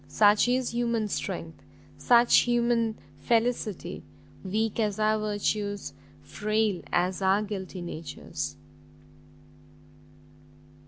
such is human strength, such human felicity! weak as our virtues, frail as our guilty natures!"